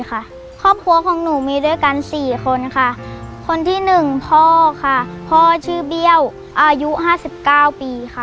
ครอบครัวมีด้วยกัน๔คนค่ะคนที่๑ผ่าวะชื่อเบี้ยวอายุ๕๙ปี